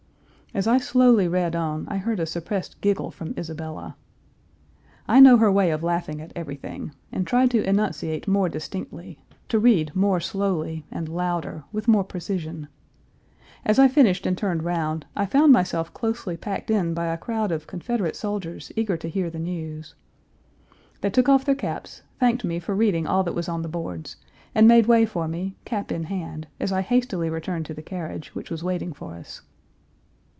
As I slowly read on, I heard a suppressed giggle from Isabella. I know her way of laughing at everything, and tried to enunciate more distinctly to read more slowly, and louder, with more precision. As I finished and turned round, I found myself closely packed in by a crowd of Confederate soldiers eager to hear the news. They took off their caps, thanked me for reading all that was on the boards, and made way for me, cap in hand, as I hastily returned to the carriage, which was waiting for us.